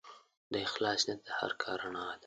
د اخلاص نیت د هر کار رڼا ده.